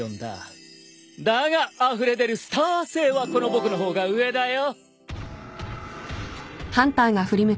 だがあふれ出るスター性はこの僕の方が上だよ。